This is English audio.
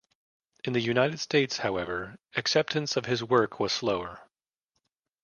In the United States, however, acceptance of his work was slower.